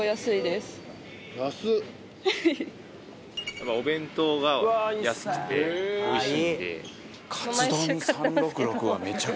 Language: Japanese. やっぱお弁当が安くておいしいんで。